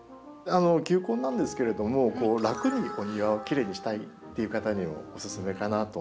球根なんですけれども楽にお庭をきれいにしたいっていう方にもおすすめかなと思うんですね。